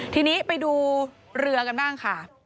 ทีนี้ไปดูเรือกันบ้างค่ะ